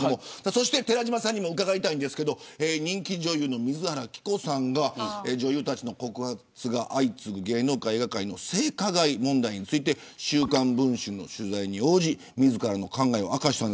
そして寺島さんにも伺いますが人気女優の水原希子さんが女優たちの告発が相次ぐ芸能映画界の性加害問題について週間文春の取材に応じ自らの考えをあかしました。